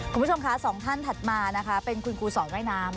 คุณผู้ชมคะสองท่านถัดมานะคะเป็นคุณครูสอนว่ายน้ำ